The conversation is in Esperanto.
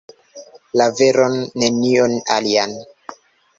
La veron, nenion alian.